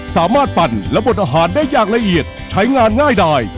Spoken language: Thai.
ปั่นและบดอาหารได้อย่างละเอียดใช้งานง่ายได้